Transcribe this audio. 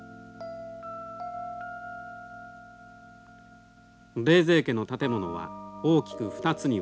冷泉家の建物は大きく２つに分けられます。